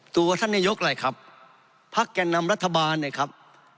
ตัวท่านนายกอะไรครับพักแก่นำรัฐบาลเนี่ยครับ